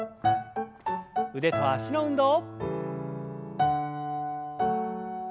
腕と脚の運動。